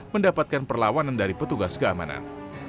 mendapatkan perlawanan dari petugas keamanan